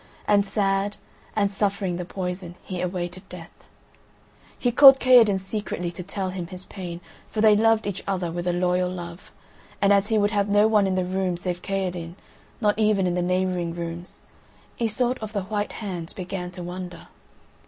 And sad, and suffering the poison, he awaited death. He called Kaherdin secretly to tell him his pain, for they loved each other with a loyal love; and as he would have no one in the room save Kaherdin, nor even in the neighbouring rooms, Iseult of the White Hands began to wonder.